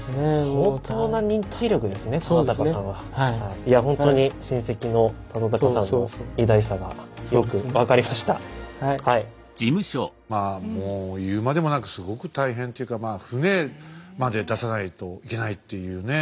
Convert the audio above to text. いやほんとにまあもう言うまでもなくすごく大変というかまあ船まで出さないといけないっていうねえ。